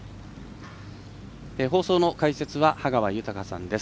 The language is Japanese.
放送の解説は羽川豊さんです。